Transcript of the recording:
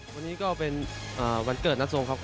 วันนี้ก็เป็นวันเกิดนัสทรงครับ